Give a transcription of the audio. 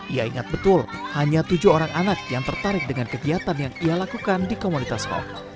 ia ingat betul hanya tujuh orang anak yang tertarik dengan kegiatan yang ia lakukan di komunitas hoax